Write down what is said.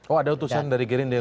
oh ada utusan dari gerindra